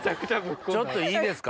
ちょっといいですか？